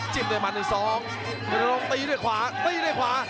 จิ้มด้วยมันหนึ่งสองแล้วถนนกตีด้วยขวาตีด้วยขวา